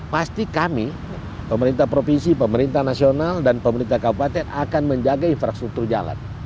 pasti kami pemerintah provinsi pemerintah nasional dan pemerintah kabupaten akan menjaga infrastruktur jalan